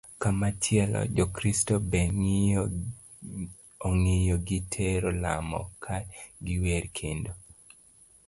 Kamachielo, jokristo be ong'iyo gi tero lamo ka giwer kendo